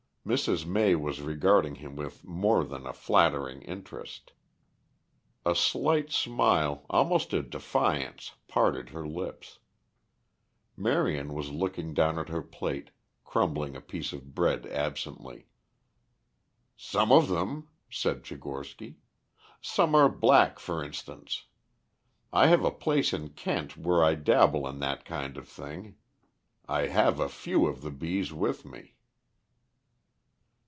Mrs. May was regarding him with more than a flattering interest. A slight smile, almost a defiance, parted her lips. Marion was looking down at her plate, crumbling a piece of bread absently. "Some of them," said Tchigorsky. "Some are black, for instance. I have a place in Kent where I dabble in that kind of thing. I have a few of the bees with me."